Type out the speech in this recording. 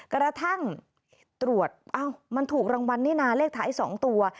กระทั่งตรวจเอ้ามันถูกรางวัลนี่นะเลขท้าย๒ตัว